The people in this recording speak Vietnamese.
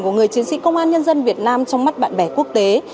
của người chiến sĩ công an nhân dân việt nam trong mắt bạn bè quốc tế